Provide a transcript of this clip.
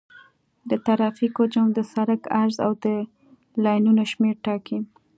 د ترافیک حجم د سرک عرض او د لینونو شمېر ټاکي